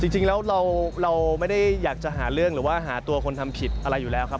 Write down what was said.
จริงแล้วเราไม่ได้อยากจะหาเรื่องหรือว่าหาตัวคนทำผิดอะไรอยู่แล้วครับ